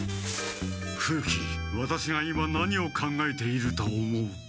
風鬼ワタシが今何を考えていると思う？